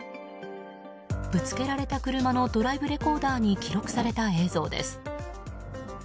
ぶつけられた車のドライブレコーダーに記録された映像です。